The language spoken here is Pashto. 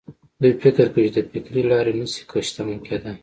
دوی فکر کوي چې د فکري لارې نه شي شتمن کېدای.